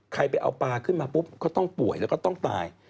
ไปเอาปลาขึ้นมาปุ๊บก็ต้องป่วยแล้วก็ต้องตาย